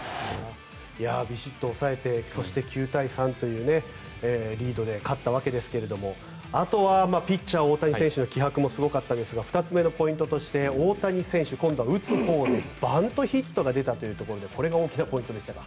びしっと抑えてそして９対３というリードで勝ったわけですがあとはピッチャー・大谷選手の気迫もすごかったですが２つ目のポイントとして大谷選手、今度は打つほうでバントヒットが出たというところでこれが大きなポイントでしたか。